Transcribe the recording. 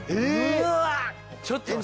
えっ！？